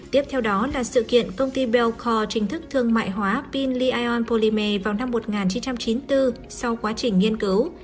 tiếp theo đó là sự kiện công ty bell core chính thức thương mại hóa pin li ion polymer vào năm một nghìn chín trăm chín mươi bốn sau quá trình nghiên cứu